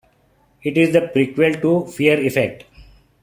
It is the prequel to "Fear Effect".